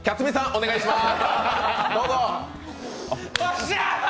お願いします。